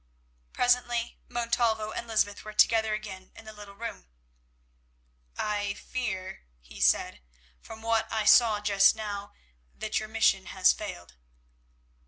Presently Montalvo and Lysbeth were together again in the little room. "I fear," he said, "from what I saw just now, that your mission has failed."